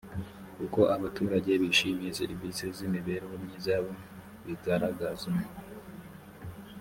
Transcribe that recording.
uko abaturage bishimiye serivisi z imibereho myiza bigaragaza